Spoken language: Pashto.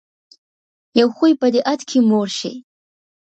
يو خوي به دې ادکې مور شي.